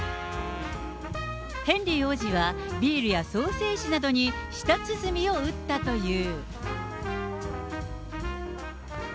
ヘンリー王子はビールやソーセージなどに舌鼓を打ったという。